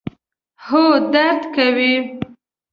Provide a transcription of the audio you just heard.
هو، درد کوي